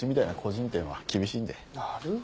なるほど。